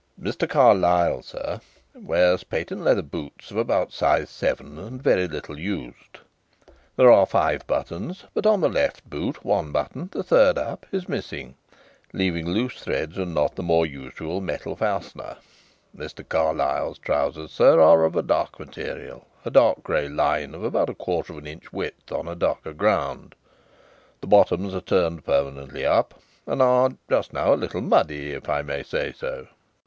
"Mr. Carlyle, sir, wears patent leather boots of about size seven and very little used. There are five buttons, but on the left boot one button the third up is missing, leaving loose threads and not the more usual metal fastener. Mr. Carlyle's trousers, sir, are of a dark material, a dark grey line of about a quarter of an inch width on a darker ground. The bottoms are turned permanently up and are, just now, a little muddy, if I may say so."